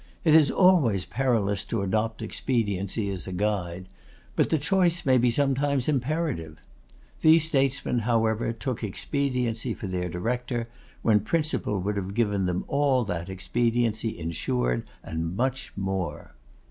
It is always perilous to adopt expediency as a guide; but the choice may be sometimes imperative. These statesmen, however, took expediency for their director, when principle would have given them all that expediency ensured, and much more.